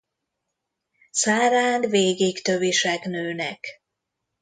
Szárán végig tövisek nőnek.